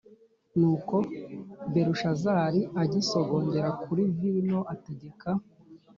Nuko belushazari agisogongera kuri vino ategeka